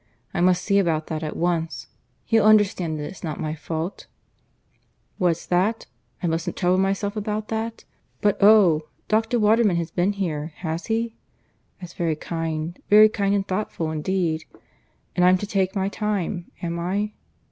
I must see about that at once. He'll understand that it's not my fault. ... "What's that? I mustn't trouble myself about that? But Oh! Dr. Waterman has been here, has he? That's very kind very kind and thoughtful indeed. And I'm to take my time, am I?